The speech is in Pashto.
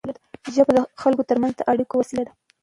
ژبه د خلکو ترمنځ د اړیکو وسیله ده.